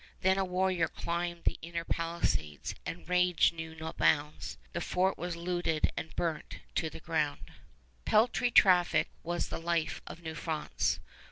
Then a warrior climbed the inner palisades, and rage knew no bounds. The fort was looted and burnt to the ground. Peltry traffic was the life of New France.